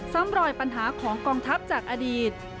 รอยปัญหาของกองทัพจากอดีต